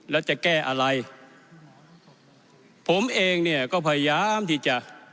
แล้วจะแก้อะไรผมเองเนี่ยก็พยายามที่จะ